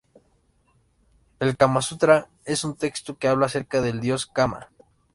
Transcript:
El "Kama-sutra" es un texto que habla acerca del dios Kama.